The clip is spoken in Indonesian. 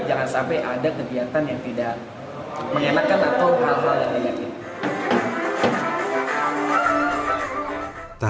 jangan sampai ada kegiatan yang tidak